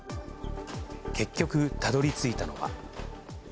結局、たどりついたのは。